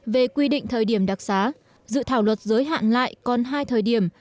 về quy định thời điểm đặc xá dự thảo luật giới hạn lại còn hai thời điểm